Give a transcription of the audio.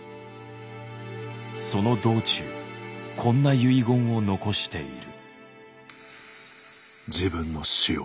その道中こんな遺言を残している。